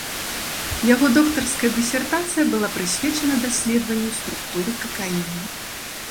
Яго доктарская дысертацыя была прысвечана даследаванню структуры какаіну.